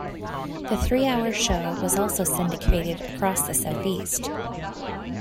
The three-hour show was also syndicated across the Southeast.